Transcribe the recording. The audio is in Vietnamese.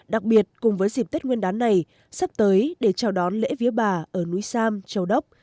đặc biệt cùng với dịp tết nguyên đán này sắp tới để chào đón lễ viếng bà ở núi sam châu đốc